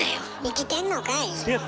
生きてんのかい。